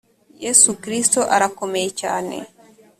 yesu kristo arakomeye cyane